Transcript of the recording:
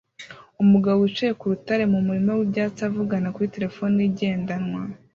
Umugabo wicaye ku rutare mu murima w'ibyatsi avugana kuri terefone ye igendanwa